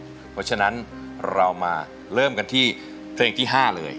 เพราะฉะนั้นเรามาเริ่มกันที่เพลงที่๕เลย